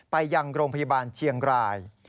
ไปยังโรงพยาบาลเชียงราย